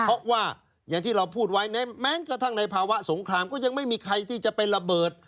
เพราะว่าอย่างที่เราพูดไว้แม้กระทั่งในภาวะสงครามก็ยังไม่มีใครที่จะไประเบิด